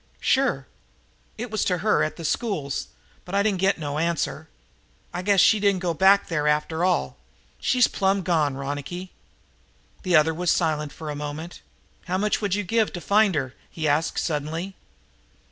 "Sure." "It was to her at the schools, but I didn't get no answer. I guess she didn't go back there after all. She's plumb gone, Ronicky." The other was silent for a moment. "How much would you give to find her?" he asked suddenly.